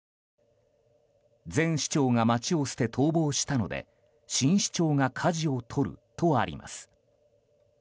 前市長が街を捨て逃亡したので新市長がかじを取るとあります。